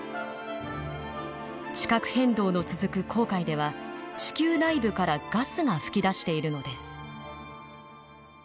地殻変動の続く紅海では地球内部からガスが噴き出しているのです。